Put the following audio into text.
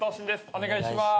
お願いします。